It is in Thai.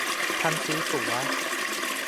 ทั้งซื้อตั๋ว